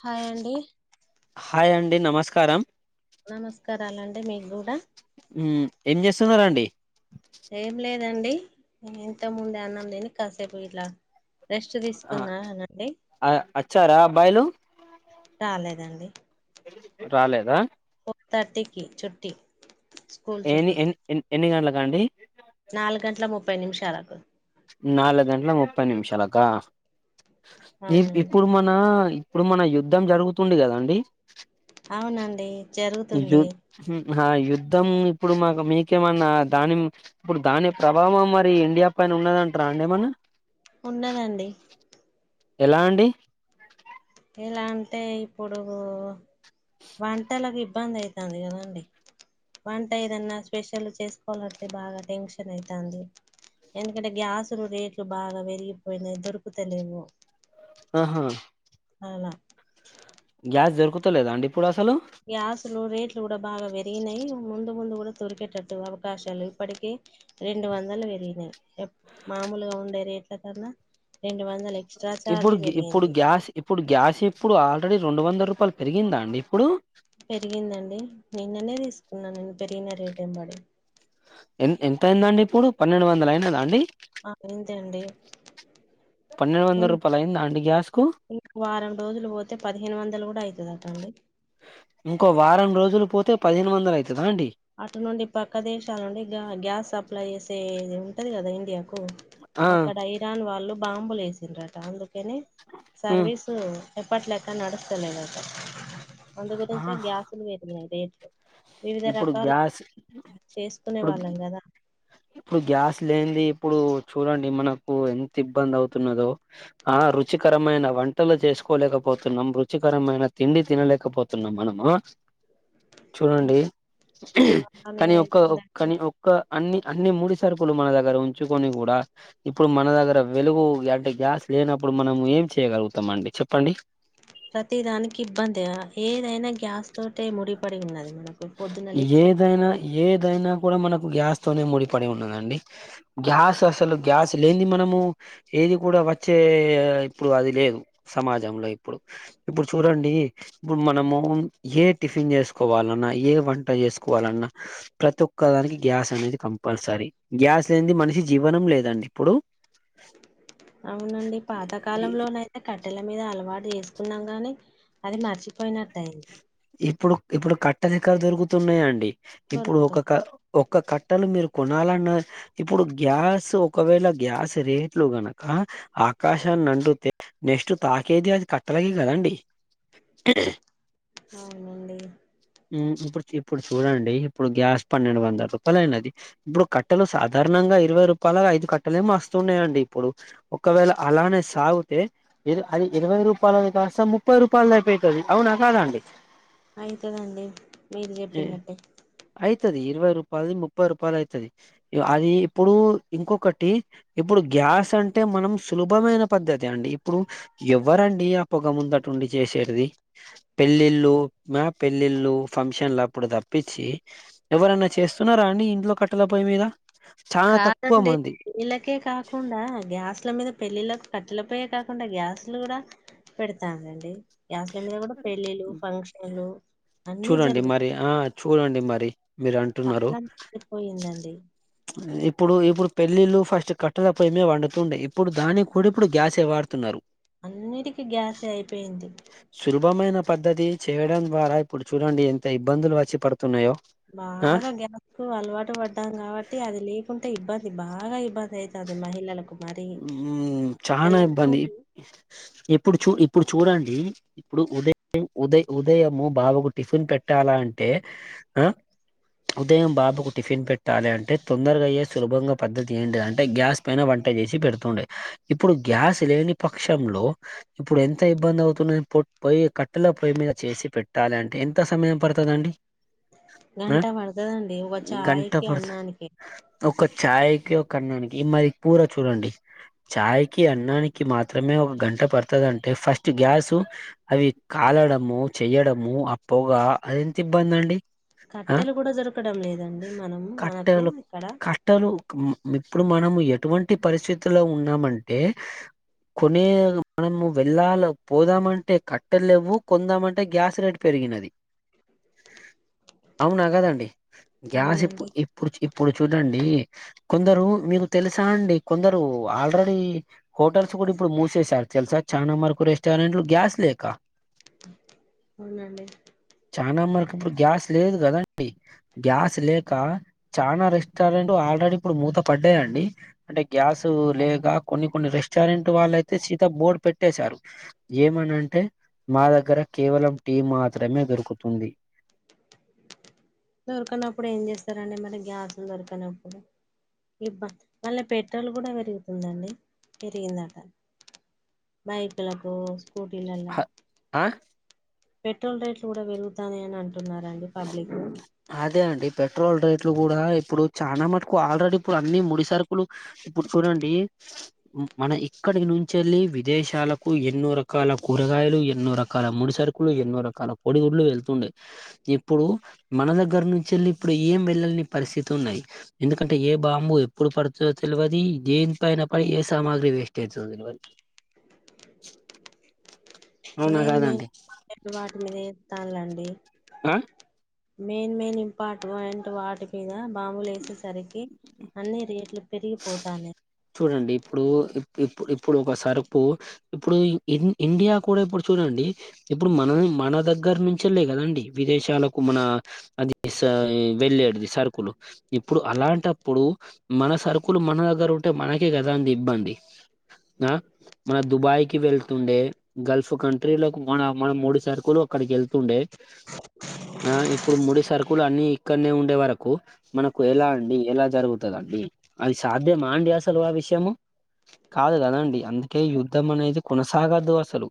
Hi అండి హాయండి నమస్కారం నమస్కారాలండి మీకు కూడాూ ఎంచేస్తున్నారాండి అదండి ఇంత ముందే అన్నం తిని కాసేపు ఇట్ల అ అచ్చారా అబ్బాయిలు రాలేదండి రాలేదా తర్టీకి చుట్టి ఏన్ని ఎన్ ఎన్ ఎన్ని గంట్లక్ కాండి నాలుగంట్ల ముప్పై నిమిషాలకు నాలుగంట్ల ముప్పై నిమిషాల కా ఇ అవునండి ఇప్పుడు మన ఇప్పుడు మన యుద్ధం జరుగుతుంది కదండి అవునండి జరుగుతుంది ఆ యుద్ధం ఇప్పుడు మాకు మీకేమన్నా దాని ఇప్పుడు దాని ప్రభావం మరి ఇండియా పైన ఉన్నదంటారా అండి ఏమన్నా ఉన్నదండి ఎలా అండి ఎలా అంటే ఇప్పుడు వంటలకు ఇబ్బంది అయితంది కదండి వంట ఏదన్నా స్పెషల్ చేసుకోవాలంటే బాగా టెన్షన్ అయితంది ఎందుకంటే గ్యాసులు రేట్లు బాగా పెరిగిపోయి నాయి దొరుకుతలేవు అహా అల గ్యాస్ దోరుకతలేదండి గ్యాస్లు రేట్లు కూడా బాగా పెరగినయి ముందు ముందు కూడా దొరికేటట్టు అవకాశాలు ఇప్పటిక రెండు వందలు పెరిగినాయి మామూలుగా ఉండే రేట్ల కన్నా రెండు వందలు ఎక్స్ట్రా ఛార్జ్ ఇప్పుడు ఇప్పుడు పెరిగింది గ్యాస్ ఇప్పుడు గ్యాస్ ఎప్పుడు ఆ ల్రెడి రెండువందల రూపాయలు పెరిగిందాండి ఇప్పుడు పెరిగిందండి, నిన్ననే తీసుకున్నాను పెరినా రేటు ఎంబడి ఎ ఎంత అయిందండి ఇప్పుడు పన్నెండు వందల అయినదా అండి ఆ అయిందండి పన్నెండు వందల ఉన్ రూపాయలు అయిందా అండి గ్యాస్ కు ఇంకో వారం రోజులు పోతే పదిహేను వందలు గూడా అయి ఇంకో వారం రోజులు పోతే పదిహేను వందలయి అటు నుండి పక్క దేశాల నుండి గ గ్యాస్ అప్లై చేసేది ఉంటుంది కదా ఇండియాకు ఆ అక్కడ ఇరాన్ వాళ్ళు బాంబులేసిండ్రంట అందుకు కని ఉమ్ సర్వీసు ఎప్పట్లెక్క నడుస్తలేధట అందు ఆ గురించే గ్యాసుల్ పెరిగినయ్ రేట్లు వివిధ ఇప్పుడు రక వలా గ్యాస్ చేసుకునే ఇప్పుడు వాళ్ళం కదా, ఇప్పుడు గ్యాస్ లేనిది ఇప్పుడు చూడండి మనకు ఎంత ఇబ్బంది అవుతున్నదో ఆ రుచికరమైన వంటలు చేసుకోలేకపోతున్నాం రుచికరమైన తిండి తినలేకపోతున్నాం మనము ఆ, చూడండి అలానే కానీ అవుతుందండి ఒక్కకానీ ఒక్క అన్ని అన్ని మూడి సరుకులు మన దగ్గర ఉంచుకొని కూడా ఇప్పుడు మన దగ్గర వెలుగు అంటే గ్యాస్ లేనప్పుడు మనం ఏం చేయ్యగలుగుతామండి చెప్పండి, ప్రతి దానికి ఇబ్బంది ఏదైనా గ్యాస్ తోటే ముడిపడి ఉన్నది మనకు పొద్దున లేచిన ఏదైనా ఏదైనా కూడా మనకు గ్యాస్ తోనే ముడిపడి ఉన్నదండి గ్యాస్ అసలు గ్యాస్ లేని మనము ఏది కూడా వచ్చే ఇప్పుడు అది లేదు సమాజంలో ఇప్పుడు ఇప్పుడు చూడండి ఇప్పుడు మనము ఏ టిఫిన్ చేసుకోవాలన్నా, ఏ వంట చేసుకోవాలన్నా ప్రతి ఒక్కదానికి గ్యాస్ అనేది కంపల్సరీ గ్యాస్ లేనిది మనిషి జీవనం లేదండి ఇప్పుడు అవునండి ఇ- పాతకాలంలోనయితే కాటే కట్టల మీద అలవాటు చేసుకున్నాం గానీ అది మర్చిపోయినట్టు అయింది, ఇప్పుడు ఇప్పుడు కట్టెలు ఎక్కడ దొరుకుతున్నాయా అండి ఇప్పుడు ఒక దొరుకుతాయి క ఒక కట్టలు మీరు కొనాలన్నా ఇప్పుడు గ్యాస్ ఒకవేళ గ్యాస్ రేట్లు గనక ఆకాశాన్ని అండుతే నెక్స్ట్ తాకేది అది కట్టలకి కదండి అవునండి ఇప్పుడు ఇప్పుడు చూడండి ఇప్పుడు గ్యాస్ పన్నెండు వందల రూపాయల అయినది ఇప్పుడు కట్టలు సాధారణంగా ఇరవై రూపాయలుగా ఐదు కట్టలే ఏమో వస్తున్నాయంండి ఇప్పుడు ఒకవేళ అలానే సాగితే. ఇ అది ఇరవై రూపాయల కాస్త ముప్పై రూపాయలు అయితాది అవునా కాదండి, అయి అయితా దండి మీరు చెప్పినట్టే అయితది ఇరవై రూపాయలు ముప్పై రూపాయలు అవుతుది అది ఇప్పుడు ఇంకొకటి ఇప్పుడు గ్యాస్ అంటే మనం సులభమైన పద్ధతి అండి ఇప్పుడు ఎవరండి ఆ పొగ ముందటుండి చేసేది పెళ్లిళ్ళు ల్లుఫంక్షన్లు అప్పుడు తప్పించి ఎవరన్న చేస్తున్నారా అండి ఇంట్లో కట్టల పోయీ మీద, చాలా తక్కువ కాదండి మంది వీళ్ళకే కాకుండా గ్యాస్ల మీద పెళ్ళిలోకి కట్టెల పోయే కాకుండా గ్యాస్ లు కూడా పెడతాండ్రండి గ్యాస్ల మీద కూడా పెళ్ళిళ్లు ఫంక్షన్లు అన్ని జరుగుతాయి చూడండి మరి మీరు అంటున్నారు కాలం మారిపోయిందండి ఇప్పుడు ఇప్పుడు పెళ్ళళ్లు ఫస్ట్ కట్టల పమే వండుతుండే ఇప్పుడు దానికి కూడా ఇప్పుడు గ్యాసే వాడుతున్నారు అన్నీటికి గ్యాసే అయిపో పెయింది శుభమైన పద్ధతి చేయడం ద్వారా ఇప్పుడు చూడండి ఎంత ఇబ్బందులు వచ్చి పడు ఆ బాగా గ్యాస్ కు అలవాటు పడ్డాం కాబట్టి అది లేకుంటే ఇబ్బంది ఇది బాగా ఇబ్బంది అయితంది మహిళలకు మరి ఉం చానా నెలల్లో ఇబ్బంది ఎప్పుడు చూ ఇప్పుడు చూడండి ఇప్పుడు ఉదయం ఉదయ ఉదయము బాబుకు టిఫిన్ పెట్టాలా అంటే ఆ ఉదయం బాబుకు టిఫిన్ పెట్టాలి అంటే తొందరగా అయ్యే సులభంగా పద్దతి ఏంటి అంటే గ్యాస్ పైన వంట వంటచేసి పెడుతుండే ఇప్పుడు గ్యాస్ లేని పక్షంలో ఇప్పుడు ఎంత ఇబ్బంది అవుతుందో పొయ్యి కట్టెల పొయ్యి మీద చేసి పెట్టాలి అంటే ఎంత సమయం పడుతదండి ఆ గంట పడతదండి ఒక ఛాయకి అన్నానికి ఛాయకి ఓ కనన్ను నికి ఈ మరి పూర చూడండి చాయ్కి అన్నానికి మాత్రమే ఒక గంట పడుతుందంటే ఫస్ట్ గ్యాసు అవి కాలడము చెయడము ఆ పొగా అది ఎంత ఇబ్బంది అండి ఆ కట్టెలు కూడా దొరకడం లేదండి మనం మనకు ఇక్కడ ఇప్పుడు మనం య ఎటువంటి పరిస్థితుల్లో ఉన్నామంటే కొనే మనము వెళ్ళాలి పోదామంటే కట్టలు లేవు కొందామంటే గ్యాస్ రేట్ పెరిగినది అవునా కదండి గ్యాస్ అవునండి ఎప్పుడు ఎప్పుడుచేప్పు ఇప్పుడు చూడండి కొందరు మీకు తెలుసు సా అండి కొందరు ఆల్రెడీ హోటల్స్ కూడా ఇప్పుడు మూసేసారు తెలుసా చాలా వరకు రెస్టారెంట్లు గ్యాస్ లేక అవునా అండి చానా మనకి ఇప్పుడు గ్యాస్ లేదు కదండి గ్యాస్ లేక చానా రెస్టారెంట్ ఆల్రెడీ ఇప్పుడు మూత పడ్డాయండి అంటే గ్యాస్ లేక కొన్ని కొన్ని రెస్టారెంట్ వాళ్ళైతే సీద బోర్డు పెట్టేశారు ఏమనంటే మా దగ్గర కేవలం టీ మాత్రమే దొరుకుతుంది దొరకనప్పుడు ఏం చేస్తారండి మళ్ళీ గ్యాస్లు దొరకనప్పుడు ఇబ్బ మళ్ళీ పెట్రోల్ కూడా పెరుగుతుందండి పెరిగిందట బైక్ ల కు కూటీలలా హ- ఆ పెట్రోల్ రేట్లు కూడా పెరుగుతానయని అంటున్నరండి పబ్లిక్ అదే అండి పెట్రోల్ రేట్లు కూడా ఇప్పుడు చాలా మటుకు ఆల్రెడీ ఇప్పుడు అన్ని ముడి సరుకులు ఇప్పుడు చూడండి మన ఇక్కడికి నుంచెళ్ళి విదేశాలకు ఎన్నో రకాల కూరగాయలు ఎన్నో రకాల ముడి సరుకులు ఎన్నో రకాల కొడిగుడ్లు వెళ్తుండే ఇప్పుడు మన దగ్గర నుంచి వెళ్ళి ఇప్పుడు ఏం వెళ్లని పరిస్థితి ఉన్నాయి ఎందుకంటే ఏ బాంబు ఎప్పుడు పడుత తెలువది ఏని పైన పడి ఏ సామాగ్రి వేస్ట్ అయి తెలువది మెయిన్ మెయిన్ వాటి మీద స్తాలండి ఆ మెయిన్ మెయిన్ ఇంపార్టెంట్ వాటి మీద బాంబులు వేసేసరికి అన్ని రేట్లు పెరిపోతానెయ్ ఇప్పుడు ఇప్పు ఇప్పుడు ఒక సరుకు ఇప్పుడు ఇండియా కూడా ఇప్పుడు చూడండి ఇప్పుడు మన మన దగ్గర నుంచెల్లె కదండి విదేశాలకు మన అదిఆ ఆవెల్లెడిది సరుకులు ఇప్పుడు అలాంటప్పుడు మన సరుకు కులు మన దగ్గర ఉంటే మనకే కదా అంది ఇబ్బంది ఆ మన దుబాయ్కి వెళ్తుండే గల్ఫ్ కంట్రీలకు మన మన ముడి సరుకులు అక్కడికి వెళ్తుండే ఆ ఇప్పుడు మడి సరుకులు అన్ని ఇక్కడనే ఉండే వరకు మనకు ఎలా అండి ఎలా జరుగుతదండి అది సాధ్యమా అండి అసలు ఆ విషయము కాదు కదండి. అందుకే యుద్ధం అనేది కొనసాగదు. అసలు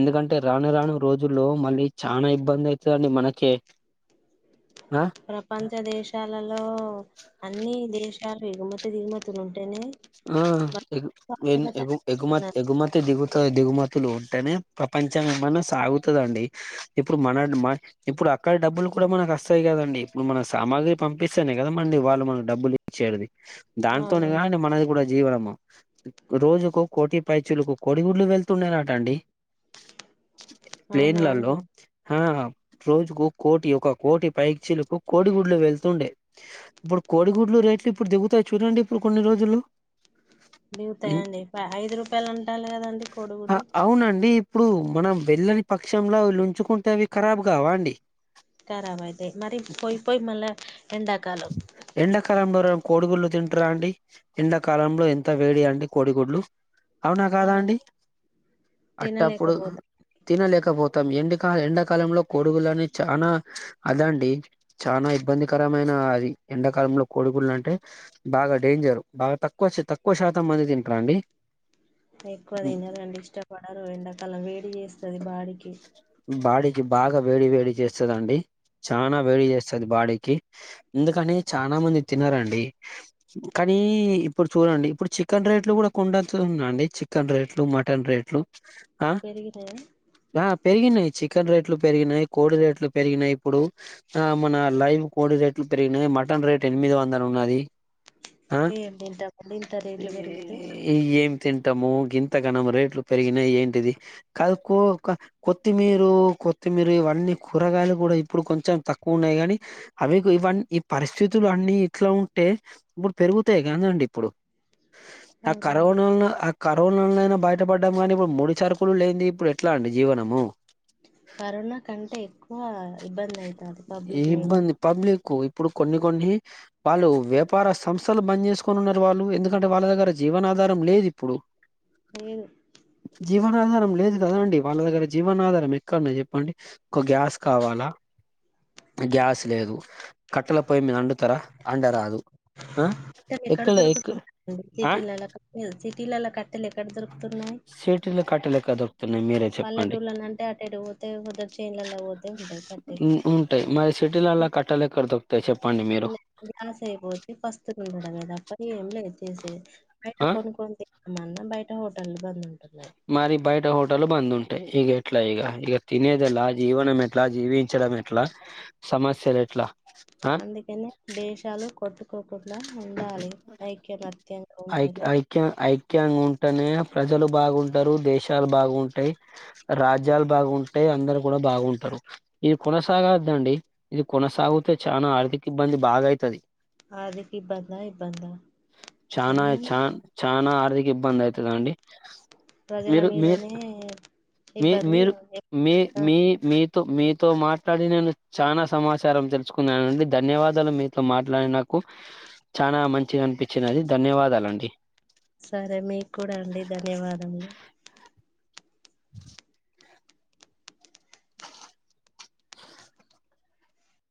ఎందుకంటే రాను రాను రోజుల్లో మళ్ళీ చాలా ఇబ్బంది అవుతుంది. అండి మనకే ఆ ప్రపంచ దేశాలలో అన్ని దేశాలు ఎగుమతి దిగుమతులు ఉంటేనే ఆ ఎగు ఎ గు ఎగుమతి స్తున్నారు ఎగుమతి దిగు ఉంటాయి దిగుమతులు ఉంటేనే ప్రపంచం ఏమన్నా సాగుతదండి. ఇప్పుడు మన మ ఇప్పుడు అక్కడ డబ్బులు కూడా మనకు వస్తాయి కదండి. ఇప్పుడు మన సామాగ్రి పంపిస్తేనే కదాండి వాళ్ళు మనకు డబ్బులు ఇచ్చేడి ది. దానితోనే కా అవునండి మనది జీవనము రోజుకు కోటి పైచులకు కోడిగుడ్లు వెళ్తుండేనట అండి అవునవును ఆ రోజుకు కోటి ఒక కోటి పైచీలకు కోడిగుడ్లు వెళ్తుండే, ఇప్పుడు కోడిగుడ్లు రేట్లు ఇప్పుడు దిగుతాయి చూడండి. ఇప్పుడు కొన్ని రోజులు దిగుతాయండి ఐదు రూపాయలు అంటాలి కదాండి కోడుగుడ్డు ఇప్పుడు మనం వెళ్ళని పక్షంలో లుంచుకుంటేవి ఖరాబ్ కావా అండి ఖరాబైతాయి మరి పోయి పోయి మళ్ళ ఎండ కలంబరం కోడిగుడ్లు తింటారండి. ఎండాకాలంలో ఎంత వేడి అండి కోడిగుడ్లు. అవునా కాదా అండి అట్టప్పుడు తినలేకపోతాం తినలేకపోతు మొత్తం ఎండకా ఎండాకాలంలో కొడుగులని చానా అదండి. చానా ఇబ్బందికరం ఏమైనా అది ఎండాకాలంలో కోడిగుడ్లు అంటే బాగా డేంజరు. బాగా తక్కువ తక్కువ శాతం మంది తింటారండి. ఎక్కువ తినరండి. ఇష్టపడరు ఎండాకాలం వేడి చేస్తుంది బాడికి. బాడీకి బాగా వేడి వేడి చేస్తదండి. చనా వేడి చేస్తుంది. బాడీకి అందుకని చాలా మంది తినరండి. కానీ ఇప్పుడు చూడండి. ఇప్పుడు చికెన్ రేట్లు కూడా కొండతున్నాండి. చికెన్ రేట్లు మటన్ రేట్లు ఆ పెరిగినయ ఆ పెరిగినయి చికెన్ రేట్లు పెరిగినాయి. కోడి రేట్లు పెరిగినాయి. ఇప్పుడు ఆ మన లైవ్ కోడి రేట్లు పెరిగినాయి. మటన్ రేట్ ఎనిమిది వందలు ఉన్నది. ఆ ఏం తింటామండి ఇంత రేట్లు పెరిగితే ఏం తిన్ ము ఇంత కనం రేట్లు పెరిగినా ఏంటిది కాదుకో కొత్తిమీరు కొత్తిమీర ఇవన్నీ కూరగాయలు కూడా ఇప్పుడు కొంచెం తక్కువ ఉన్నాయి గానీ, అవి ఇవన్నీ ఈ పరిస్థితులు అన్ని ఇట్లా ఉంటే ఇప్పుడు పెరుగుతాయి. కాదండి ఇప్పుడు ఆ అవునండి కరోనల్లో ఆ క కరోనా బయటపడ్డం కానీ ఇప్పుడు ముడి చ రుకులు లేదు ఇప్పుడు ఎట్లా అండి జీవనము. కరోనా కంటే ఎక్కువ ఇబ్బంది అయింది ఏ ఇబ్బంది పబ్లిక్ ఇప్పుడు కొన్ని కొన్ని వాళ్ళు వ్యాపార సంస్థలు బంద్ చేసుకొని ఉన్నారు. వాళ్ళు ఎందుకంటే వాళ్ళ దగ్గర జీవనాధారం లేదు ఇప్పుడు. లేదు జీవనాధారం లేదు కదా అండి వాళ్ళ దగ్గర జీవనాధారం ఎక్కడన్నా చెప్పండి ఒక గ్యాస్ కావాలా గ్యాస్ లేదు కట్టల పొయ్యి మీద వండుతరా అండరాదు ఆ కట్టెలు ఎక్కడ దొరుకుతాయండి సిటిలలో సటీల ఇళ్లల్లా కట్టలే. సిటీల కట్టలేెక్కడ దొరుకుతున్నాయి మీరే చెప్పండి. పల్లెటూర్లలో అంటే అటెటు పోతే కొందరు చేన్లలో పోతే ఉంటాయి ఉంటాయి మరి సిటీలల్ల కట్ట లెక్కడ దొకుతాయి. చె అనసూయపోతే పస్తులుండడమే తప్ప ఏం లేదు చేసేది. బయట ఆ కొనుకొ మన్న బయట హోటల్లు బంద్ ఉంటున్నాయ్ మరి బయట హోటలు బంద్ ఉంటయి. ఈగ ఎట్లా ఈగ ఇక తినేది ఎలా జీవనం ఎట్లా, జీవించడం ఎట్లా సమస్యలు ఎట్లా. అందుకనే ఆ దేశాలు కొట్టుకు కోకుండా ఉండాలి. ఐక్యమత్యంగా ఉంటేనే. ఖ్యంగా ఉంటేనే ప్రజలు బాగుంటరు దేశాలు బాగుంటయి రాజ్యాలు బాగుంటయి అందరు కూడా బాగుంటరు ఇది కొనసాగద్దండి ఇది కొనసాగితే చాలా ఆర్థిక ఇబ్బంది బాగా అయితది. అది ఇబ్బంద ఇబ్బంద స చానా చా ఇబ్బంది అయితదా అండి ప్రజల మీరు మీరు మీదనే మీ ఇబ్బంది మీరు మీ ఆ మీ మీతో మాట్లాడి నేను చానా సమాచారం తెలుసుకున్నానండి ధన్యవాదాలు మీతో మాట్లాడి నాకు చనా మంచిది అనిపించినది ధన్యవాదాలండి సరే మీకు కూడా అండి ధన్యవాదములు